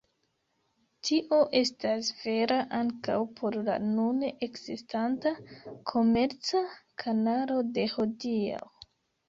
Tio estas vera ankaŭ por la nune ekzistanta komerca kanalo de hodiaŭ.